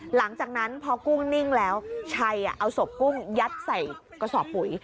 หลังจากนั้นพอกุ้งนิ่งแล้วชัยเอาศพกุ้งยัดใส่กระสอบปุ๋ย